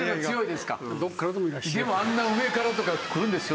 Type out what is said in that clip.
でもあんな上からとか来るんですよ。